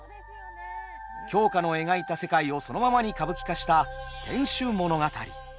鏡花の描いた世界をそのままに歌舞伎化した「天守物語」。